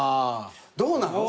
どうなの？